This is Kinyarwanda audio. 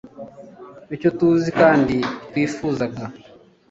icyo tuzi kandi twifuzaga